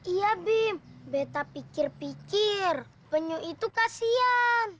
iya bim beta pikir pikir penyu itu kasian